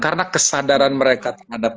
karena kesadaran mereka terhadap